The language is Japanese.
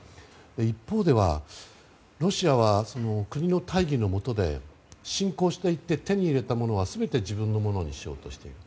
一方では、ロシアは国の大義の下で侵攻していって手に入れたものは全て自分のものにしようとしている。